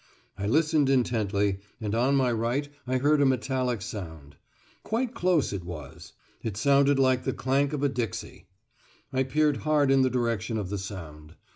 I listened intently, and on my right I heard a metallic sound. Quite close it was; it sounded like the clank of a dixie. I peered hard in the direction of the sound.